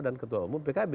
dan ketua umu pkb